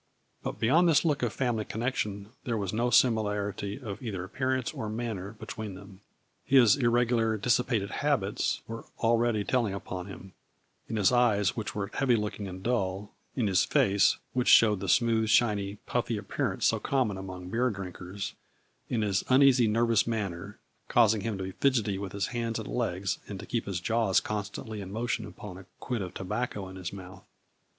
But, beyond this look of family connection, there was no similarity of either ap pearance or manner between them. His ir regular, dissipated habits were already telling upon him, in his eyes, which were heavy look ing and dull, in his face, which showed the smooth, shiny, puffy appearance so common among beer drinkers, in his uneasy, nervous manner, causing him to be fidgety with his hands and legs and to keep his jaws constantly in motion upon a quid of tobacco in his mouth.